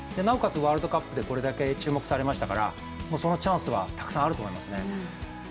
ワールドカップでこれだけ注目されましたからそのチャンスはたくさんあると思いますね。